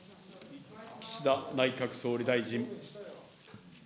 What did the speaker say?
岸田内閣総理大臣。